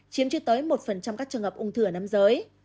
chiếm chưa tới một các trường hợp ung thư ở nam giới